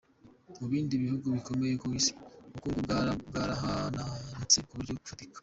Mu bindi bihugu bikomeye ku Isi, ubukungu bwarahanantutse ku buryo bufatika.